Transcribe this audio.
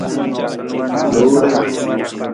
Lore.